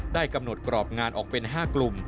กำหนดกรอบงานออกเป็น๕กลุ่ม